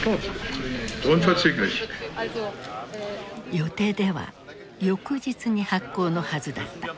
予定では翌日に発効のはずだった。